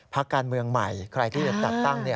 พักการเมืองใหม่ใครที่จะจัดตั้ง